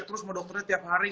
terus mau dokternya tiap hari